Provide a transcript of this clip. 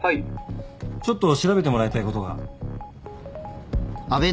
ちょっと調べてもらいたいことが。